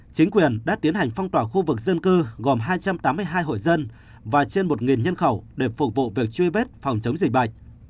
chính quyền đã tiến hành phong tỏa khu vực dân cư gồm hai trăm tám mươi hai hội dân và trên một nhân khẩu để phục vụ việc truy vết phòng chống dịch bệnh